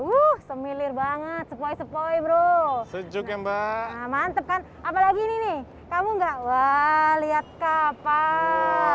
uh semilir banget sepoi sepoi bro sejuk ya mbak mantep kan apalagi ini kamu nggak wah lihat kapal